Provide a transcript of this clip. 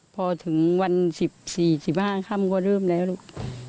พอถึงวัน๑๔๑๕ค่ำก็เริ่มแล้วลูก